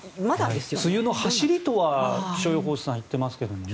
梅雨の走りとは気象予報士さんは言ってますけどね。